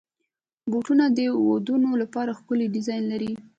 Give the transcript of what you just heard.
بوټونه د ودونو لپاره ښکلي ډیزاین لري.